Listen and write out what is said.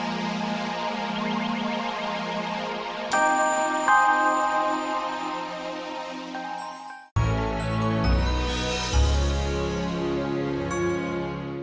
jangan mentang mentang cantik terus mau cari yang lainnya ya